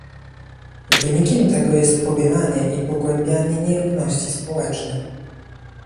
Wynikiem tego jest powielanie i pogłębianie nierówności społecznych